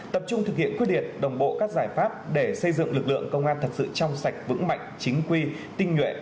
tập trung thực hiện quyết liệt đồng bộ các giải pháp để xây dựng lực lượng công an thật sự trong sạch vững mạnh chính quy tinh nhuệ